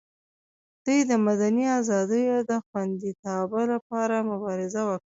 دوی د مدني ازادیو د خوندیتابه لپاره مبارزه وکړي.